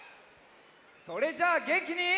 それじゃあげんきに。